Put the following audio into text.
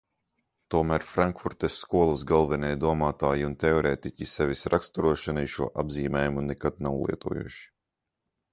Tomēr Frankfurtes skolas galvenie domātāji un teorētiķi sevis raksturošanai šo apzīmējumu nekad nav lietojuši.